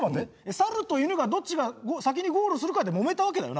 サルとイヌがどっちが先にゴールするかでもめたわけだよな？